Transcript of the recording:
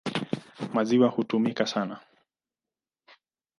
Maziwa hutumika sana.